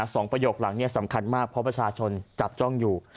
ประโยคหลังเนี่ยสำคัญมากเพราะประชาชนจับจ้องอยู่